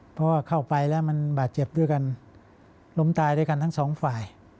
เพราะว่าเข้าไปแล้วมันบาดเจ็บด้วยกันล้มตายด้วยกันทั้งสองฝ่าย